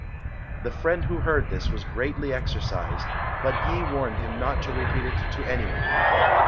The friend who heard this was greatly exercised, but Yi warned him not to repeat it to any one.